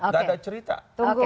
kita panggil menteri dalam negeri